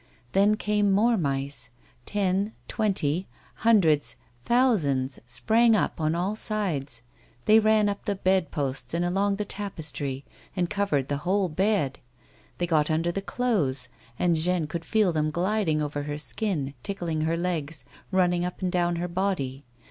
Then came more mice— ten, twenty, hundreds, thousands, sprang up on all sides. They ran up the bed posts, and along the tapestry, and covered the whole bed. They got under the clothes, and Jeanne could feel them gliding over her skin, tickling her legs, running up and down her body.